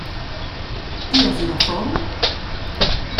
Ti has in affon?